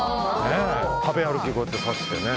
食べ歩き、こうやって刺してね。